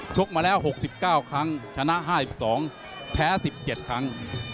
กมาแล้ว๖๙ครั้งชนะ๕๒แพ้๑๗ครั้ง